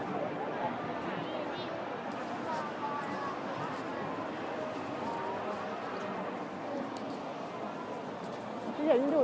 อยากให้คุณหาเงินเพลิน